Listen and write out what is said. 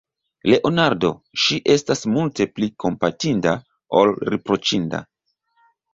Leonardo, ŝi estas multe pli kompatinda, ol riproĉinda.